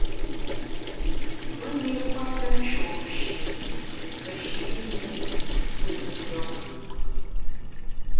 Pù-ni kwete nshôsh-i meshi’ mi pù ni pe mvùù mvù.